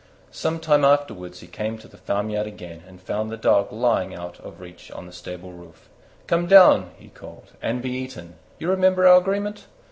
Some time afterwards he came to the farmyard again, and found the Dog lying out of reach on the stable roof. "Come down," he called, "and be eaten: you remember our agreement?"